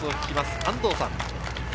安藤さん。